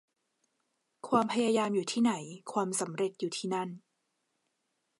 ความพยายามอยู่ที่ไหน ความสำเร็จอยู่ที่นั่น